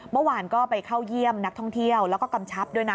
เมื่อวานก็ไปเข้าเยี่ยมนักท่องเที่ยวแล้วก็กำชับด้วยนะ